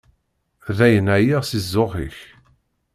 Dayen, εyiɣ si zzux-ik.